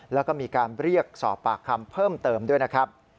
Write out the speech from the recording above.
แล้วก็มีการเรียกสอบปากคำเพิ่มเติมด้วยนะครับ